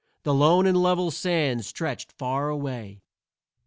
The lone and level sands stretched far away.